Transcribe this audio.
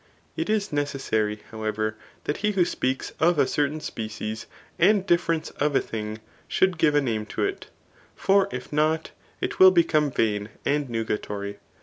It is necessary, however, that he who speaks of a certain species and difference of a thing, should give a name to it ; for if not, it will become vain and nuga tory.